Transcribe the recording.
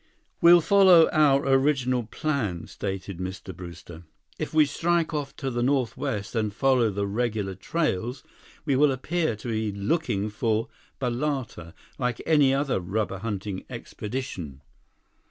"We'll follow our original plan," stated Mr. Brewster. "If we strike off to the northwest and follow the regular trails, we will appear to be looking for balata like any other rubber hunting expedition."